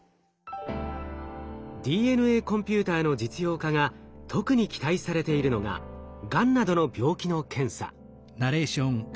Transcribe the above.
ＤＮＡコンピューターの実用化が特に期待されているのががんなどの病気の検査。